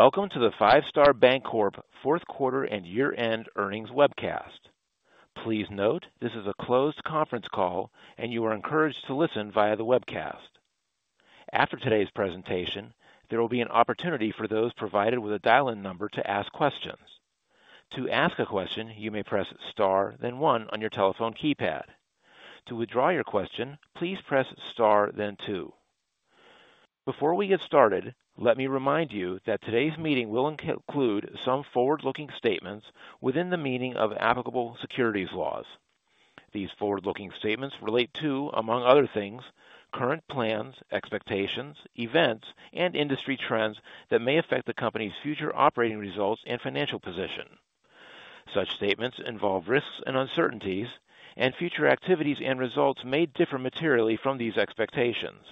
Welcome to the Five Star Bancorp fourth quarter and year-end earnings webcast. Please note this is a closed conference call and you are encouraged to listen via the webcast. After today's presentation, there will be an opportunity for those provided with a dial-in number to ask questions. To ask a question, you may press star, then one on your telephone keypad. To withdraw your question, please press star, then two. Before we get started, let me remind you that today's meeting will include some forward-looking statements within the meaning of applicable securities laws. These forward-looking statements relate to, among other things, current plans, expectations, events, and industry trends that may affect the company's future operating results and financial position. Such statements involve risks and uncertainties, and future activities and results may differ materially from these expectations.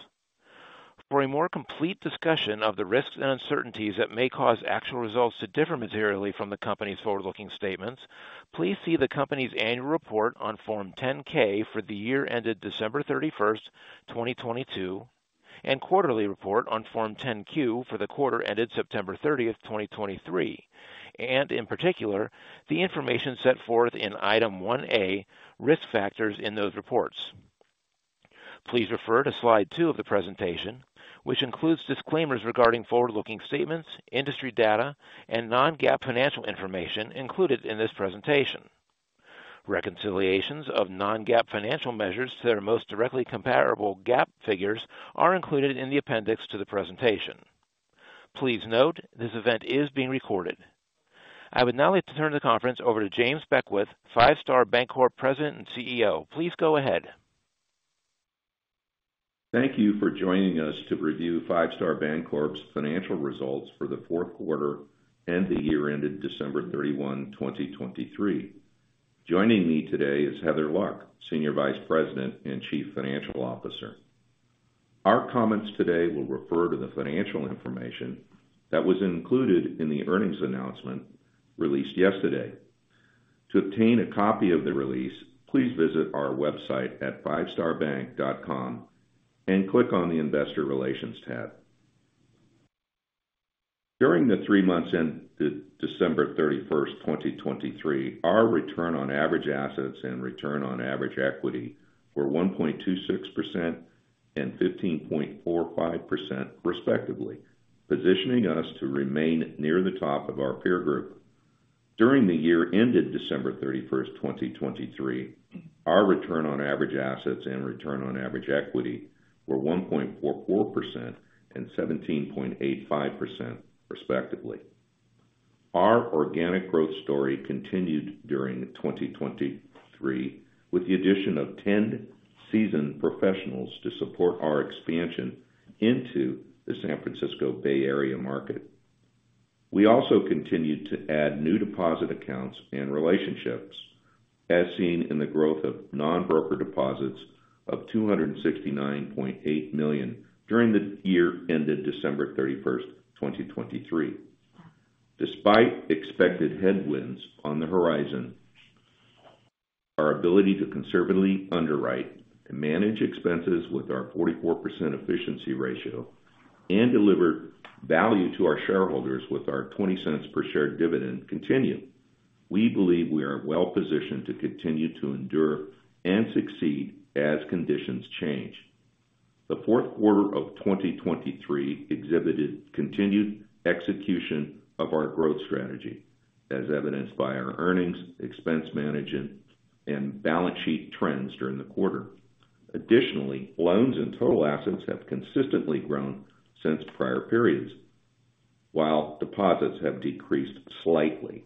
For a more complete discussion of the risks and uncertainties that may cause actual results to differ materially from the company's forward-looking statements, please see the company's annual report on Form 10-K for the year ended December 31, 2022, and quarterly report on Form 10-Q for the quarter ended September 30, 2023, and in particular, the information set forth in Item 1A, Risk Factors in those reports. Please refer to slide two of the presentation, which includes disclaimers regarding forward-looking statements, industry data, and non-GAAP financial information included in this presentation. Reconciliations of non-GAAP financial measures to their most directly comparable GAAP figures are included in the appendix to the presentation. Please note, this event is being recorded. I would now like to turn the conference over to James Beckwith, Five Star Bancorp President and CEO. Please go ahead. Thank you for joining us to review Five Star Bancorp's financial results for the fourth quarter and the year ended December 31, 2023. Joining me today is Heather Luck, Senior Vice President and Chief Financial Officer. Our comments today will refer to the financial information that was included in the earnings announcement released yesterday. To obtain a copy of the release, please visit our website at fivestarbank.com and click on the Investor Relations tab. During the three months ended December 31, 2023, our return on average assets and return on average equity were 1.26% and 15.45%, respectively, positioning us to remain near the top of our peer group. During the year ended December 31, 2023, our return on average assets and return on average equity were 1.44% and 17.85%, respectively. Our organic growth story continued during 2023, with the addition of 10 seasoned professionals to support our expansion into the San Francisco Bay Area market. We also continued to add new deposit accounts and relationships, as seen in the growth of non-brokered deposits of $269.8 million during the year ended December 31, 2023. Despite expected headwinds on the horizon, our ability to conservatively underwrite and manage expenses with our 44% efficiency ratio and deliver value to our shareholders with our $0.20 per share dividend continue. We believe we are well-positioned to continue to endure and succeed as conditions change. The fourth quarter of 2023 exhibited continued execution of our growth strategy, as evidenced by our earnings, expense management, and balance sheet trends during the quarter. Additionally, loans and total assets have consistently grown since prior periods, while deposits have decreased slightly.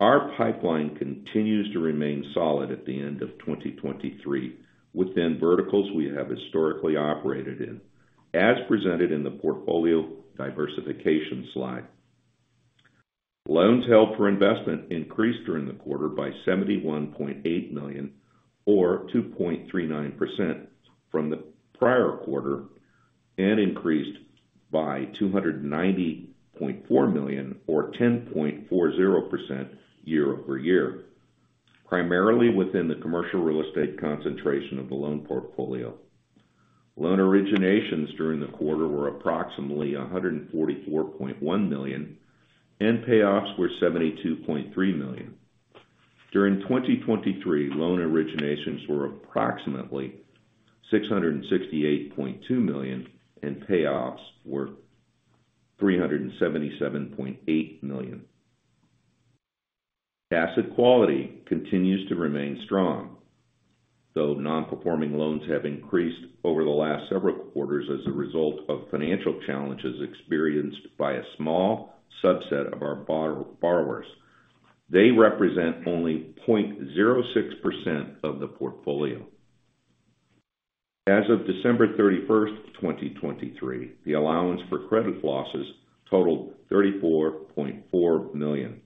Our pipeline continues to remain solid at the end of 2023 within verticals we have historically operated in, as presented in the portfolio diversification slide. Loans Held for Investment increased during the quarter by $71.8 million, or 2.39% from the prior quarter, and increased by $290.4 million or 10.40% year-over-year, primarily within the commercial real estate concentration of the loan portfolio. Loan originations during the quarter were approximately $144.1 million, and payoffs were $72.3 million. During 2023, loan originations were approximately $668.2 million, and payoffs were $377.8 million. Asset quality continues to remain strong, though non-performing loans have increased over the last several quarters as a result of financial challenges experienced by a small subset of our borrowers. They represent only 0.06% of the portfolio. As of December 31, 2023, the allowance for credit losses totaled $34.4 million.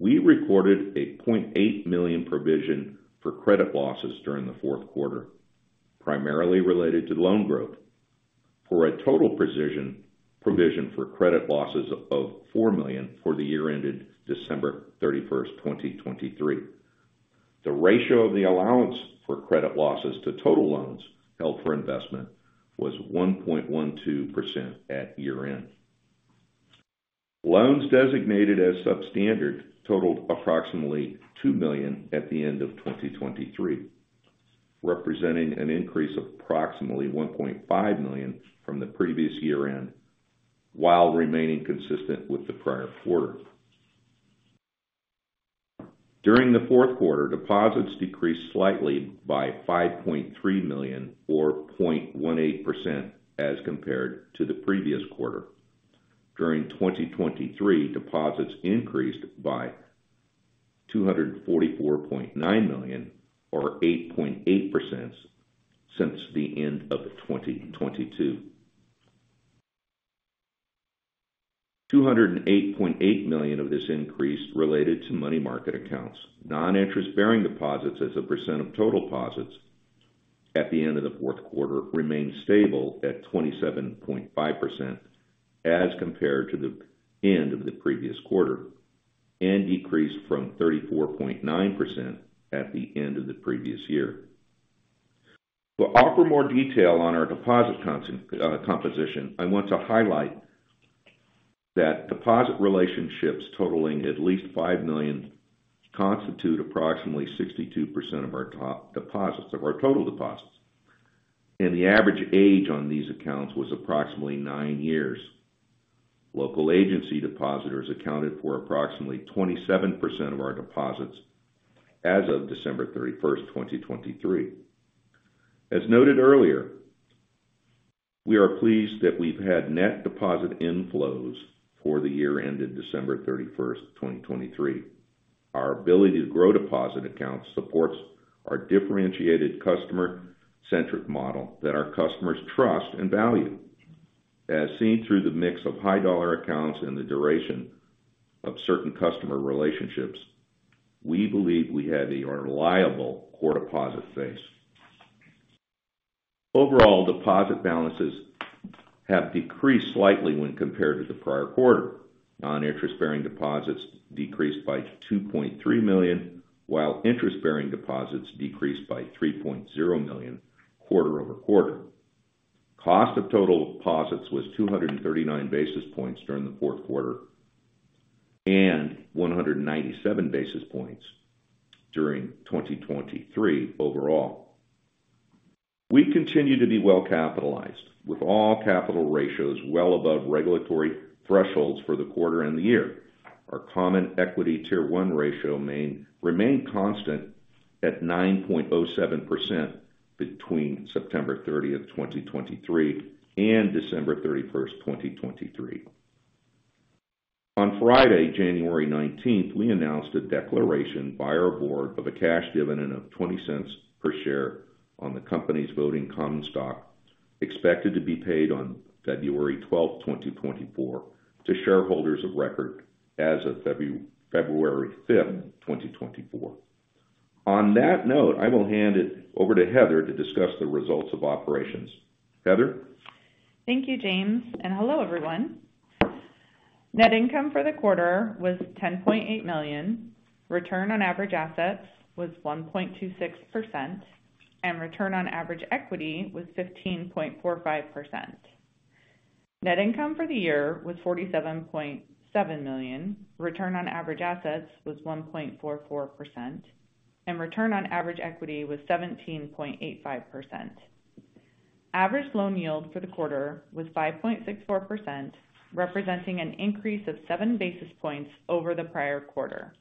We recorded a $0.8 million provision for credit losses during the fourth quarter, primarily related to loan growth, for a total provision for credit losses of $4 million for the year ended December 31, 2023. The ratio of the allowance for credit losses to total loans held for investment was 1.12% at year-end. Loans designated as substandard totaled approximately $2 million at the end of 2023, representing an increase of approximately $1.5 million from the previous year-end, while remaining consistent with the prior quarter. During the fourth quarter, deposits decreased slightly by $5.3 million or 0.18% as compared to the previous quarter. During 2023, deposits increased by $244.9 million or 8.8% since the end of 2022. $208.8 million of this increase related to money market accounts. Non-interest-bearing deposits as a percent of total deposits at the end of the fourth quarter remained stable at 27.5% as compared to the end of the previous quarter, and decreased from 34.9% at the end of the previous year. To offer more detail on our deposit composition, I want to highlight that deposit relationships totaling at least $5 million constitute approximately 62% of our total deposits, and the average age on these accounts was approximately nine years. Local agency depositors accounted for approximately 27% of our deposits as of December 31, 2023. As noted earlier, we are pleased that we've had net deposit inflows for the year ended December 31, 2023. Our ability to grow deposit accounts supports our differentiated customer-centric model that our customers trust and value. As seen through the mix of high dollar accounts and the duration of certain customer relationships, we believe we have a reliable core deposit base. Overall, deposit balances have decreased slightly when compared to the prior quarter. Non-interest-bearing deposits decreased by $2.3 million, while interest-bearing deposits decreased by $3.0 million quarter-over-quarter. Cost of total deposits was 239 basis points during the fourth quarter, and 197 basis points during 2023 overall. We continue to be well-capitalized, with all capital ratios well above regulatory thresholds for the quarter and the year. Our common equity Tier 1 ratio remained constant at 9.07% between September 30th, 2023, and December 31st, 2023. On Friday, January 19th, we announced a declaration by our board of a cash dividend of $0.20 per share on the company's voting common stock, expected to be paid on February 12th, 2024, to shareholders of record as of February 5th, 2024. On that note, I will hand it over to Heather to discuss the results of operations. Heather? Thank you, James, and hello, everyone. Net income for the quarter was $10.8 million, return on average assets was 1.26%, and return on average equity was 15.45%. Net income for the year was $47.7 million, return on average assets was 1.44%, and return on average equity was 17.85%. Average loan yield for the quarter was 5.64%, representing an increase of 7 basis points over the prior quarter.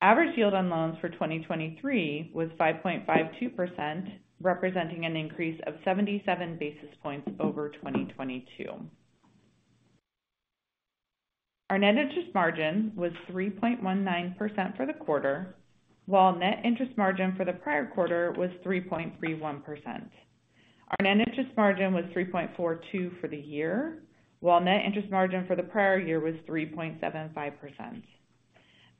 Average yield on loans for 2023 was 5.52%, representing an increase of 77 basis points over 2022. Our net interest margin was 3.19% for the quarter, while net interest margin for the prior quarter was 3.31%. Our net interest margin was 3.42% for the year, while net interest margin for the prior year was 3.75%.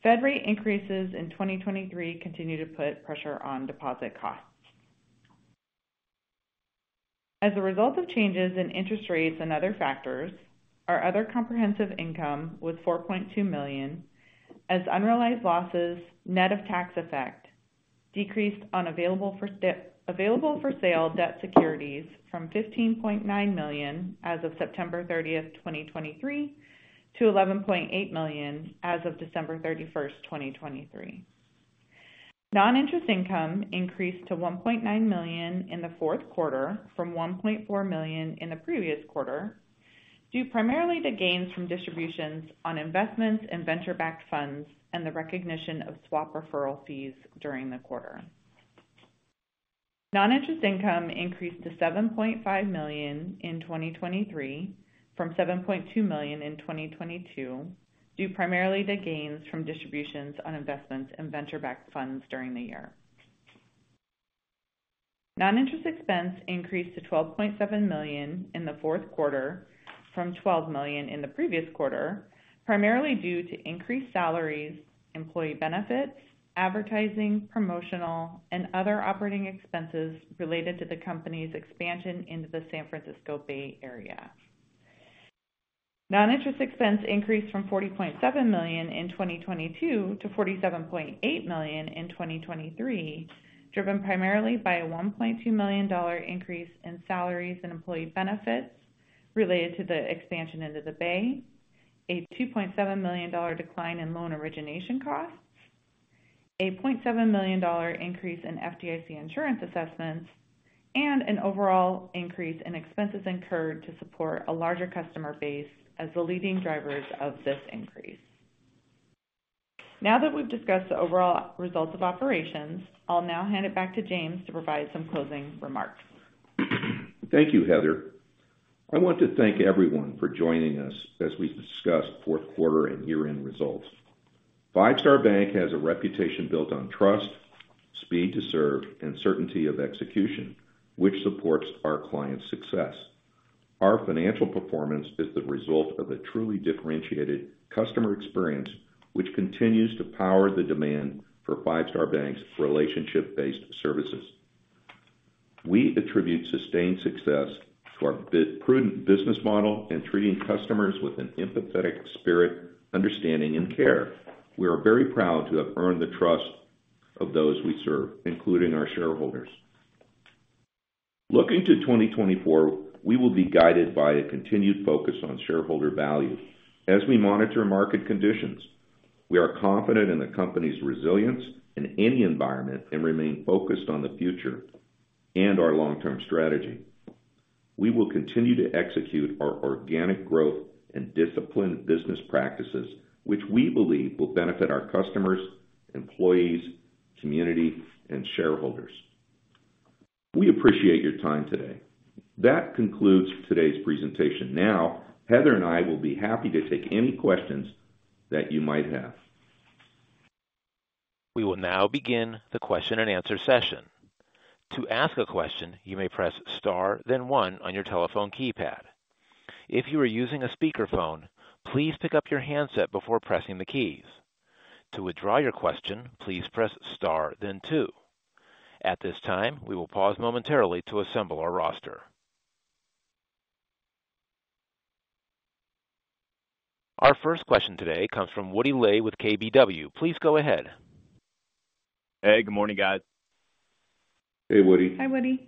Fed rate increases in 2023 continued to put pressure on deposit costs. As a result of changes in interest rates and other factors, our other comprehensive income was $4.2 million, as unrealized losses net of tax effect decreased on available for sale debt securities from $15.9 million as of September 30, 2023, to $11.8 million as of December 31, 2023. Non-interest income increased to $1.9 million in the fourth quarter from $1.4 million in the previous quarter, due primarily to gains from distributions on investments and venture-backed funds and the recognition of swap referral fees during the quarter. Non-interest income increased to $7.5 million in 2023 from $7.2 million in 2022, due primarily to gains from distributions on investments and venture-backed funds during the year. Non-interest expense increased to $12.7 million in the fourth quarter from $12 million in the previous quarter, primarily due to increased salaries, employee benefits, advertising, promotional, and other operating expenses related to the company's expansion into the San Francisco Bay Area.... Non-interest expense increased from $40.7 million in 2022 to $47.8 million in 2023, driven primarily by a $1.2 million increase in salaries and employee benefits related to the expansion into the Bay, a $2.7 million decline in loan origination costs, a $0.7 million increase in FDIC insurance assessments, and an overall increase in expenses incurred to support a larger customer base as the leading drivers of this increase. Now that we've discussed the overall results of operations, I'll now hand it back to James to provide some closing remarks. Thank you, Heather. I want to thank everyone for joining us as we discuss fourth quarter and year-end results. Five Star Bank has a reputation built on trust, speed to serve, and certainty of execution, which supports our clients' success. Our financial performance is the result of a truly differentiated customer experience, which continues to power the demand for Five Star Bank's relationship-based services. We attribute sustained success to our prudent business model and treating customers with an empathetic spirit, understanding, and care. We are very proud to have earned the trust of those we serve, including our shareholders. Looking to 2024, we will be guided by a continued focus on shareholder value as we monitor market conditions. We are confident in the company's resilience in any environment and remain focused on the future and our long-term strategy. We will continue to execute our organic growth and disciplined business practices, which we believe will benefit our customers, employees, community, and shareholders. We appreciate your time today. That concludes today's presentation. Now, Heather and I will be happy to take any questions that you might have. We will now begin the question-and-answer session. To ask a question, you may press star, then one on your telephone keypad. If you are using a speakerphone, please pick up your handset before pressing the keys. To withdraw your question, please press star then two. At this time, we will pause momentarily to assemble our roster. Our first question today comes from Woody Lay with KBW. Please go ahead. Hey, good morning, guys. Hey, Woody. Hi, Woody.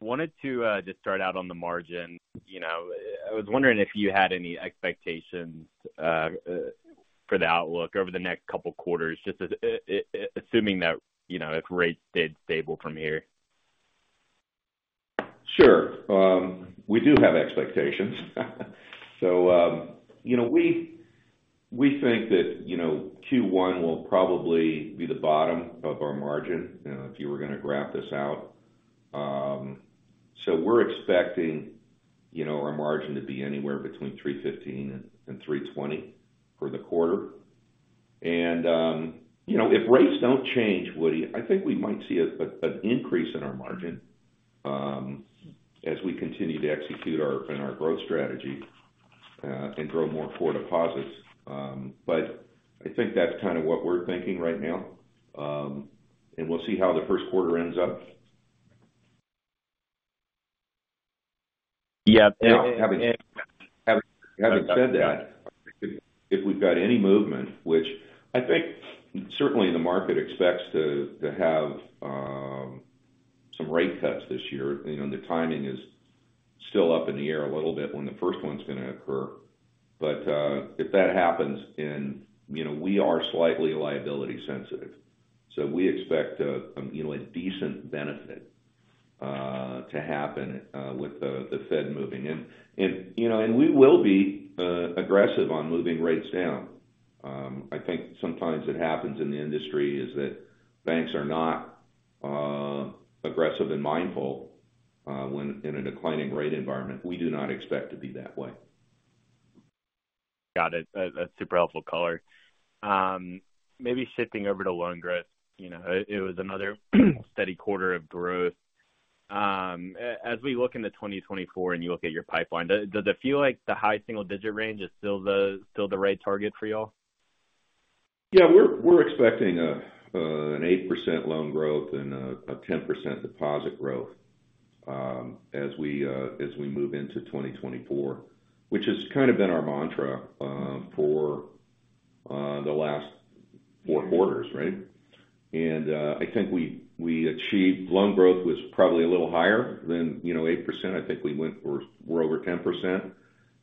Wanted to just start out on the margin. You know, I was wondering if you had any expectations for the outlook over the next couple of quarters, just as assuming that, you know, if rates stayed stable from here. Sure. We do have expectations. So, you know, we think that, you know, Q1 will probably be the bottom of our margin, you know, if you were going to graph this out. So we're expecting, you know, our margin to be anywhere between 3.15% and 3.20% for the quarter. And, you know, if rates don't change, Woody, I think we might see an increase in our margin, as we continue to execute our in our growth strategy, and grow more core deposits. But I think that's kind of what we're thinking right now, and we'll see how the first quarter ends up. Yeah. Having said that, if we've got any movement, which I think certainly the market expects to have some rate cuts this year, you know, the timing is still up in the air a little bit when the first one's going to occur. But if that happens and, you know, we are slightly liability sensitive, so we expect a decent benefit to happen with the Fed moving. And, you know, and we will be aggressive on moving rates down. I think sometimes it happens in the industry is that banks are not aggressive and mindful when in a declining rate environment. We do not expect to be that way. Got it. That's super helpful color. Maybe shifting over to loan growth. You know, it was another steady quarter of growth. As we look into 2024 and you look at your pipeline, does it feel like the high single digit range is still the right target for y'all? Yeah, we're expecting an 8% loan growth and a 10% deposit growth as we move into 2024, which has kind of been our mantra for the last 4 quarters, right? And I think we achieved loan growth was probably a little higher than, you know, 8%. I think we went for--we're over 10%,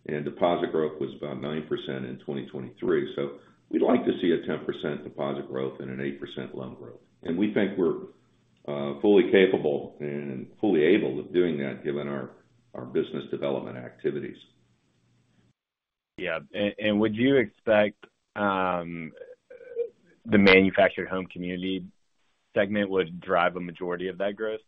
and deposit growth was about 9% in 2023. So we'd like to see a 10% deposit growth and an 8% loan growth. And we think we're fully capable and fully able of doing that given our business development activities. Yeah. And would you expect the manufactured home community segment would drive a majority of that growth?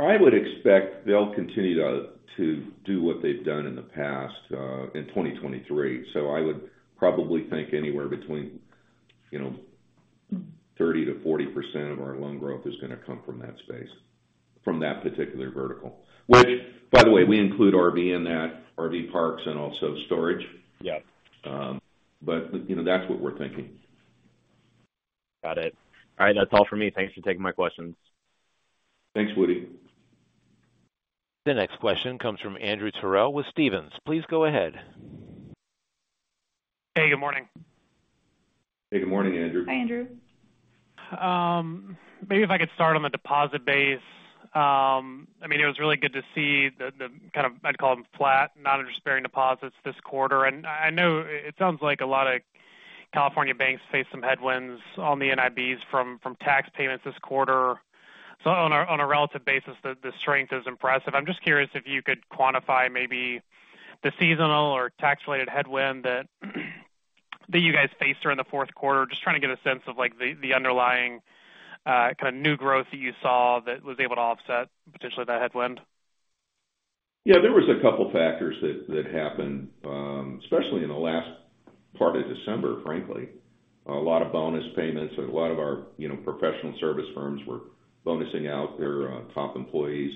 I would expect they'll continue to, to do what they've done in the past, in 2023. So I would probably think anywhere between, you know, 30%-40% of our loan growth is going to come from that space, from that particular vertical. Which, by the way, we include RV in that, RV parks and also storage. Yep. But, you know, that's what we're thinking.... Got it. All right, that's all for me. Thanks for taking my questions. Thanks, Woody. The next question comes from Andrew Terrell with Stephens. Please go ahead. Hey, good morning. Hey, good morning, Andrew. Hi, Andrew. Maybe if I could start on the deposit base. I mean, it was really good to see the kind of, I'd call them flat, non-interest-bearing deposits this quarter. And I know it sounds like a lot of California banks face some headwinds on the NIBs from tax payments this quarter. So on a relative basis, the strength is impressive. I'm just curious if you could quantify maybe the seasonal or tax-related headwind that you guys faced during the fourth quarter. Just trying to get a sense of, like, the underlying kind of new growth that you saw that was able to offset potentially that headwind. Yeah, there was a couple factors that happened, especially in the last part of December, frankly. A lot of bonus payments. A lot of our, you know, professional service firms were bonusing out their top employees.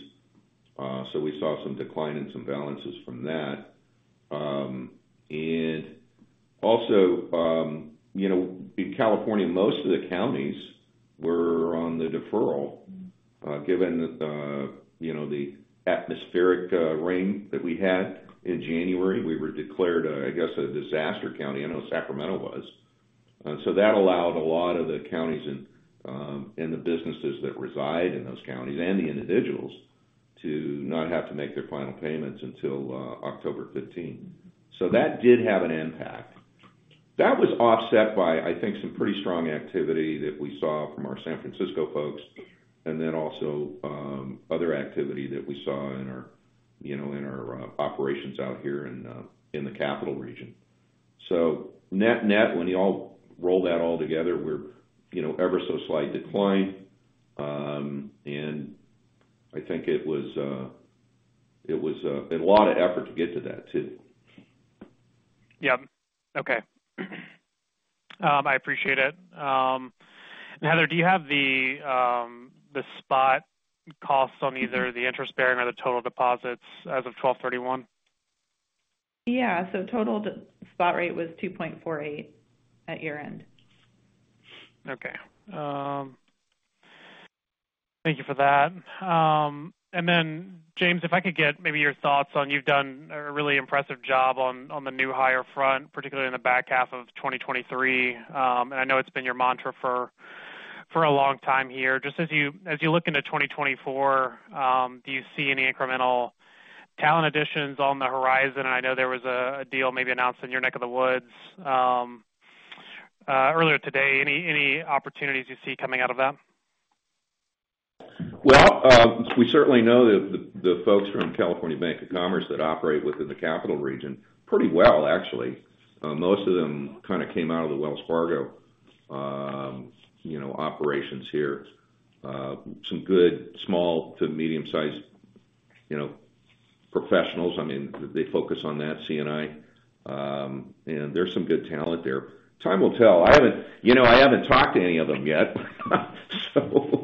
So we saw some decline in some balances from that. And also, you know, in California, most of the counties were on the deferral, given the, you know, the atmospheric rain that we had in January. We were declared, I guess, a disaster county. I know Sacramento was. So that allowed a lot of the counties and the businesses that reside in those counties and the individuals to not have to make their final payments until October 15th. So that did have an impact. That was offset by, I think, some pretty strong activity that we saw from our San Francisco folks, and then also, other activity that we saw in our, you know, in the Capital Region. So net-net, when you all roll that all together, we're, you know, ever so slight decline. And I think it was, and a lot of effort to get to that, too. Yeah. Okay. I appreciate it. Heather, do you have the spot costs on either the interest bearing or the total deposits as of 12/31? Yeah. So total spot rate was 2.48 at year-end. Okay. Thank you for that. And then, James, if I could get maybe your thoughts on—you've done a really impressive job on the new hire front, particularly in the back half of 2023. And I know it's been your mantra for a long time here. Just as you look into 2024, do you see any incremental talent additions on the horizon? I know there was a deal maybe announced in your neck of the woods earlier today. Any opportunities you see coming out of that? Well, we certainly know that the folks from California Bank of Commerce that operate within the Capital Region pretty well, actually. Most of them kind of came out of the Wells Fargo, you know, operations here. Some good small to medium-sized, you know, professionals. I mean, they focus on that C&I, and there's some good talent there. Time will tell. I haven't you know, talked to any of them yet, so,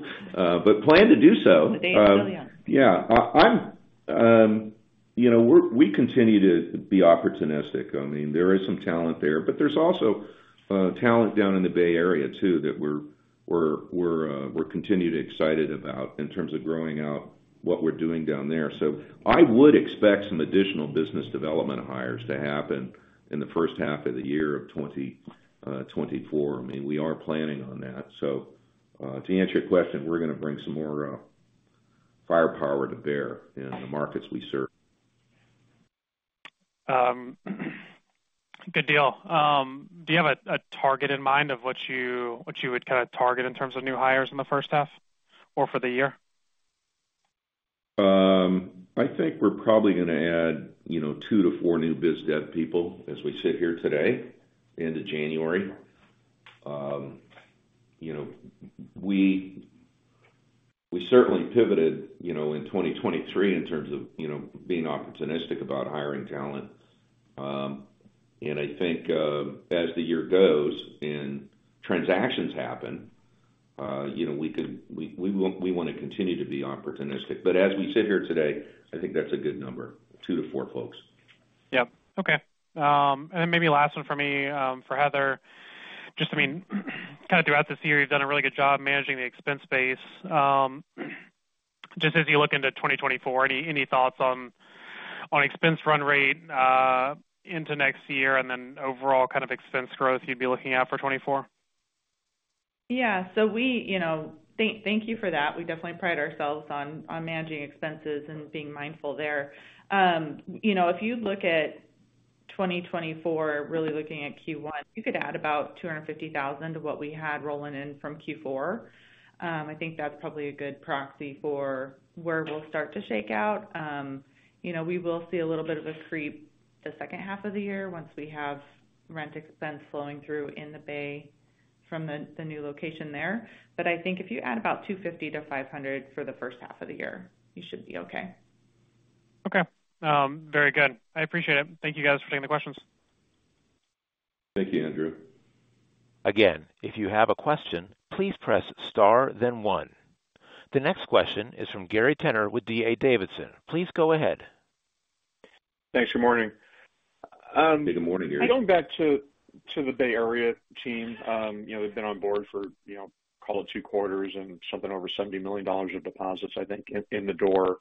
but plan to do so. They still here. Yeah. I'm—you know, we continue to be opportunistic. I mean, there is some talent there, but there's also talent down in the Bay Area, too, that we're excited about in terms of growing out what we're doing down there. So I would expect some additional business development hires to happen in the first half of the year of 2024. I mean, we are planning on that. So, to answer your question, we're gonna bring some more firepower to bear in the markets we serve. Good deal. Do you have a target in mind of what you would kind of target in terms of new hires in the first half or for the year? I think we're probably gonna add, you know, two to four new biz dev people as we sit here today, end of January. You know, we certainly pivoted, you know, in 2023 in terms of, you know, being opportunistic about hiring talent. And I think, as the year goes and transactions happen, you know, we could. We want to continue to be opportunistic. But as we sit here today, I think that's a good number, two to four folks. Yep. Okay. Then maybe last one for me, for Heather. Just, I mean, kind of throughout this year, you've done a really good job managing the expense base. Just as you look into 2024, any thoughts on expense run rate into next year, and then overall kind of expense growth you'd be looking at for 2024? Yeah. So we, you know... Thank you for that. We definitely pride ourselves on managing expenses and being mindful there. You know, if you look at 2024, really looking at Q1, you could add about $250,000 to what we had rolling in from Q4. I think that's probably a good proxy for where we'll start to shake out. You know, we will see a little bit of a creep the second half of the year once we have rent expense flowing through in the Bay from the new location there. But I think if you add about $250,000-$500,000 for the first half of the year, you should be okay. Okay, very good. I appreciate it. Thank you, guys, for taking the questions. Thank you, Andrew. Again, if you have a question, please press star, then one. The next question is from Gary Tenner with D.A. Davidson. Please go ahead.... Thanks. Good morning. Good morning, Gary. Going back to the Bay Area team. You know, they've been on board for, you know, call it two quarters and something over $70 million of deposits, I think, in the door.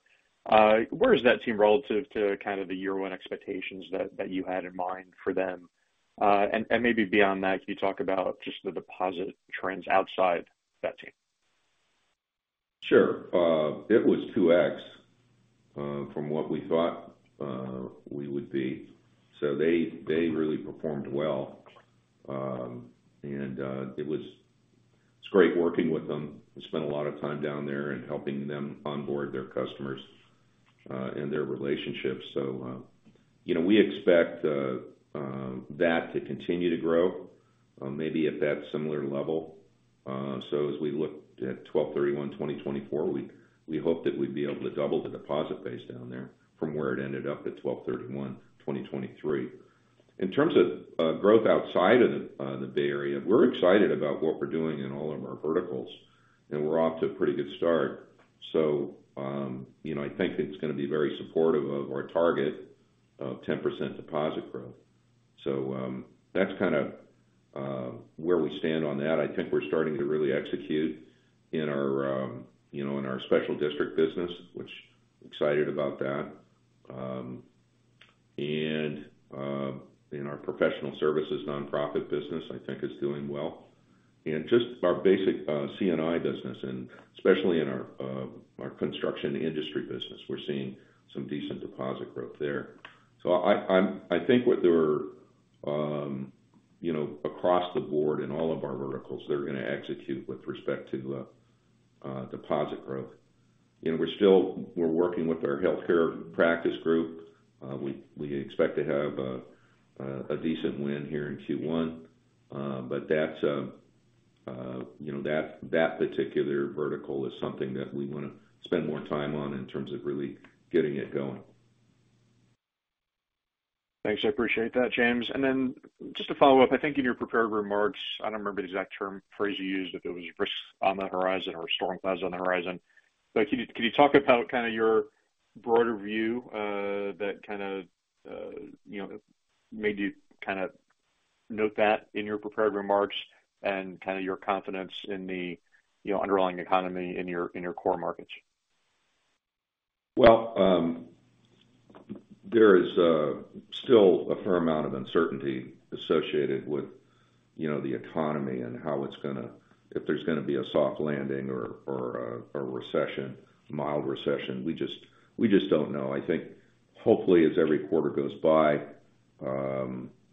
And maybe beyond that, can you talk about just the deposit trends outside that team? Sure. It was 2x from what we thought we would be. So they, they really performed well. And it's great working with them. We spent a lot of time down there and helping them onboard their customers and their relationships. So, you know, we expect that to continue to grow, maybe at that similar level. So as we looked at 12/31/2024, we hope that we'd be able to double the deposit base down there from where it ended up at 12/31/2023. In terms of growth outside of the Bay Area, we're excited about what we're doing in all of our verticals, and we're off to a pretty good start. So, you know, I think it's gonna be very supportive of our target of 10% deposit growth. So, that's kind of where we stand on that. I think we're starting to really execute in our, you know, in our special district business, which excited about that. And, in our professional services nonprofit business, I think is doing well. And just our basic, C&I business, and especially in our, our construction industry business, we're seeing some decent deposit growth there. So I, I'm-- I think what they're, you know, across the board, in all of our verticals, they're gonna execute with respect to, deposit growth. You know, we're still-- we're working with our healthcare practice group. We, we expect to have, a, a decent win here in Q1. But that, you know, that particular vertical is something that we wanna spend more time on in terms of really getting it going. Thanks. I appreciate that, James. And then just to follow up, I think in your prepared remarks, I don't remember the exact term or phrase you used, if it was risks on the horizon or storm clouds on the horizon. But can you, can you talk about kind of your broader view, that kind of, you know, made you kind of note that in your prepared remarks and kind of your confidence in the, you know, underlying economy in your, in your core markets? Well, there is still a fair amount of uncertainty associated with, you know, the economy and how it's gonna, if there's gonna be a soft landing or a recession, mild recession. We just, we just don't know. I think hopefully, as every quarter goes by,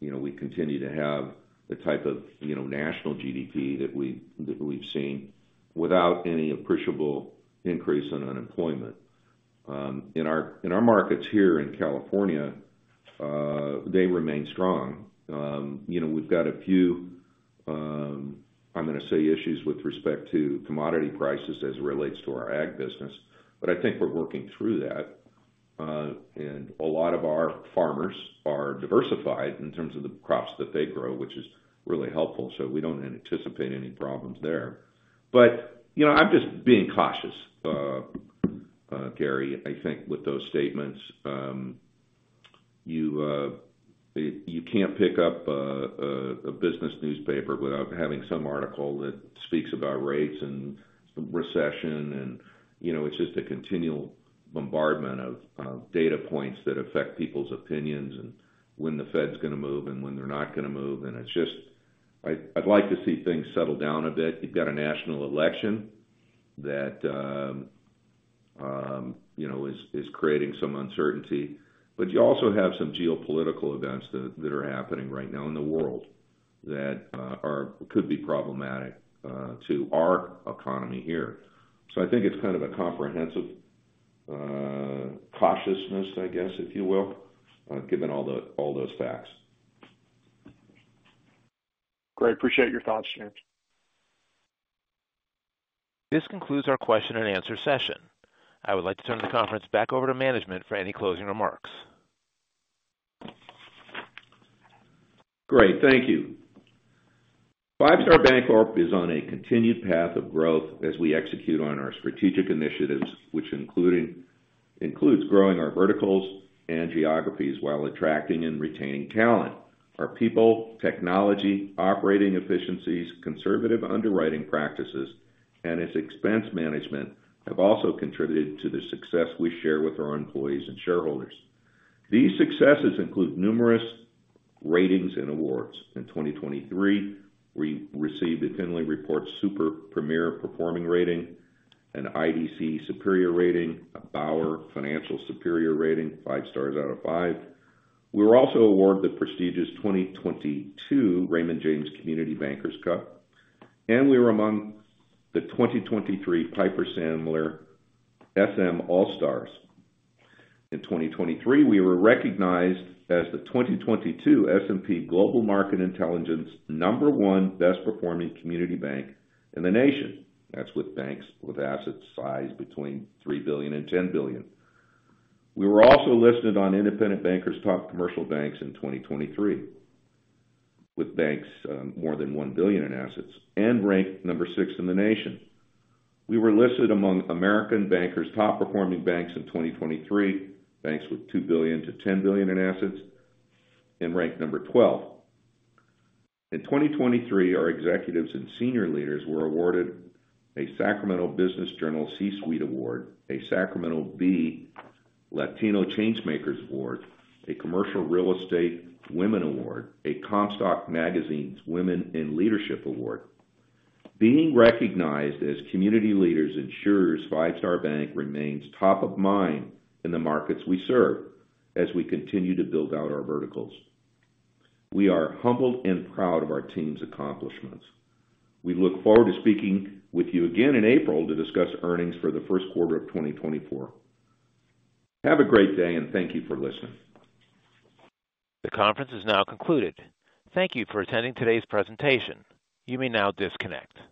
you know, we continue to have the type of, you know, national GDP that we've, that we've seen without any appreciable increase in unemployment. In our, in our markets here in California, they remain strong. You know, we've got a few, I'm gonna say, issues with respect to commodity prices as it relates to our ag business, but I think we're working through that. And a lot of our farmers are diversified in terms of the crops that they grow, which is really helpful, so we don't anticipate any problems there. But, you know, I'm just being cautious, Gary. I think with those statements, you can't pick up a business newspaper without having some article that speaks about rates and recession and, you know, it's just a continual bombardment of data points that affect people's opinions and when the Fed's gonna move and when they're not gonna move. And it's just... I'd like to see things settle down a bit. You've got a national election that, you know, is creating some uncertainty, but you also have some geopolitical events that are happening right now in the world that could be problematic to our economy here. So I think it's kind of a comprehensive cautiousness, I guess, if you will, given all those facts. Great. Appreciate your thoughts, James. This concludes our question and answer session. I would like to turn the conference back over to management for any closing remarks. Great. Thank you. Five Star Bancorp is on a continued path of growth as we execute on our strategic initiatives, which includes growing our verticals and geographies while attracting and retaining talent. Our people, technology, operating efficiencies, conservative underwriting practices, and its expense management have also contributed to the success we share with our employees and shareholders. These successes include numerous ratings and awards. In 2023, we received a Findley Report Super Premier Performing rating, an IDC Superior rating, a BauerFinancial Superior rating, five stars out of five. We were also awarded the prestigious 2022 Raymond James Community Bankers Cup, and we were among the 2023 Piper Sandler Sm-All Stars. In 2023, we were recognized as the 2022 S&P Global Market Intelligence number one best performing community bank in the nation. That's with banks with asset size between $3 billion and $10 billion. We were also listed on Independent Banker's top commercial banks in 2023, with banks more than $1 billion in assets, and ranked number six in the nation. We were listed among American Banker's top performing banks in 2023, banks with $2 billion to $10 billion in assets, and ranked number 12. In 2023, our executives and senior leaders were awarded a Sacramento Business Journal C-Suite award, a Sacramento Bee Latino Changemakers award, a Commercial Real Estate Women Award, a Comstock's Magazine's Women in Leadership Award. Being recognized as community leaders ensures Five Star Bank remains top of mind in the markets we serve as we continue to build out our verticals. We are humbled and proud of our team's accomplishments. We look forward to speaking with you again in April to discuss earnings for the first quarter of 2024. Have a great day, and thank you for listening. The conference is now concluded. Thank you for attending today's presentation. You may now disconnect.